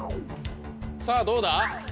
さぁどうだ？